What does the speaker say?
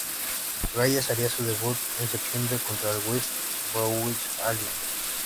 Gallas haría su debut en septiembre contra el West Bromwich Albion.